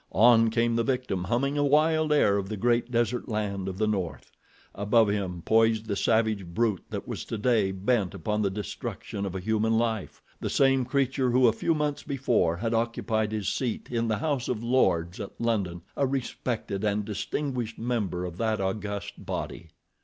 On came the victim, humming a wild air of the great desert land of the north. Above him poised the savage brute that was today bent upon the destruction of a human life—the same creature who a few months before, had occupied his seat in the House of Lords at London, a respected and distinguished member of that august body.